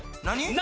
何？